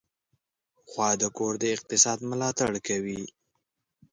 غوا د کور د اقتصاد ملاتړ کوي.